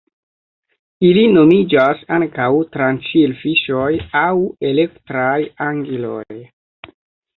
Ili nomiĝas ankaŭ tranĉilfiŝoj aŭ elektraj angiloj.